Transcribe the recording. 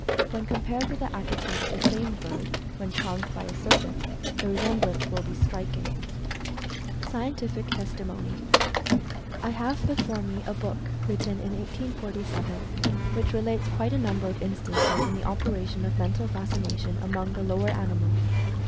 When compared with the attitude of the same bird, when charmed by a serpent, the resemblance will be striking. SCIENTIFIC TESTIMONY. I have before me a book written in 1847, which re lates quite a number of instances of the operation of Mental Fascination among the lower animals.